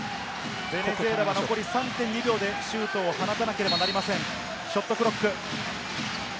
ベネズエラは残り３．２秒でシュートを放たなければなりません。